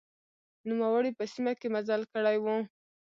نوموړي په سیمه کې مزل کړی و.